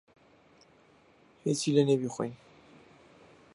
ھیچی لێ نییە بیخۆین.